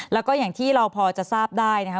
แล้วก็อย่างที่เราพอจะทราบได้นะคะ